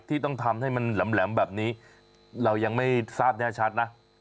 ที่ต้องทำให้มันแหลมแบบนี้เรายังไม่ทราบแน่ชัดนะ